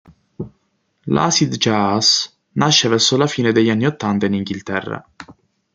L'acid jazz nasce verso la fine degli anni Ottanta in Inghilterra.